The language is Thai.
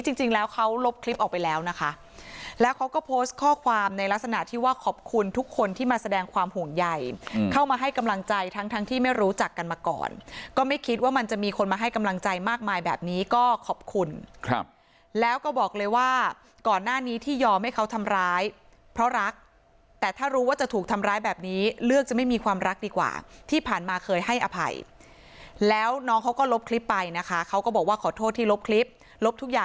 คนนี้จริงแล้วเขาลบคลิปออกไปแล้วนะคะแล้วเขาก็โพสต์ข้อความในลักษณะที่ว่าขอบคุณทุกคนที่มาแสดงความห่วงใหญ่เข้ามาให้กำลังใจทั้งทั้งที่ไม่รู้จักกันมาก่อนก็ไม่คิดว่ามันจะมีคนมาให้กำลังใจมากมายแบบนี้ก็ขอบคุณครับแล้วก็บอกเลยว่าก่อนหน้านี้ที่ยอมให้เขาทำร้ายเพราะรักแต่ถ้ารู้ว่าจะถูกท